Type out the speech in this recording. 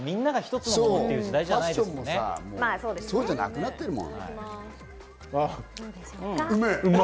ファッションもさ、そうじゃなくなってるもん。